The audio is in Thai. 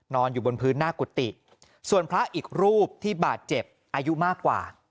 อยู่บนพื้นหน้ากุฏิส่วนพระอีกรูปที่บาดเจ็บอายุมากกว่า